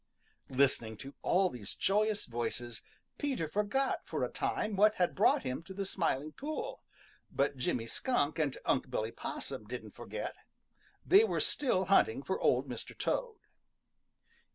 Listening to all these joyous voices, Peter forgot for a time what had brought him to the Smiling Pool. But Jimmy Skunk and Unc' Billy Possum didn't forget. They were still hunting for Old Mr. Toad.